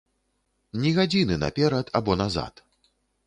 Ні гадзіны наперад або назад.